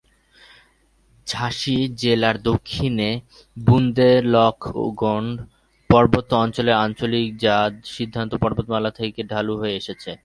ঝাঁসি জেলার দক্ষিণে বুন্দেলখণ্ড পার্বত্য অঞ্চল অবস্থিত, যা বিন্ধ্য পর্বতমালা থেকে ঢালু হয়ে এসেছে।